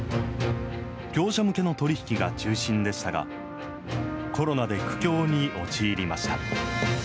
業者向けの取り引きが中心でしたが、コロナで苦境に陥りました。